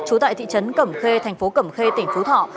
trú tại thị trấn cẩm khê thành phố cẩm khê tỉnh phú thọ